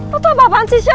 lu tuh apaan sih syo